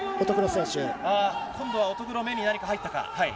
今度は乙黒目に何か入ったか。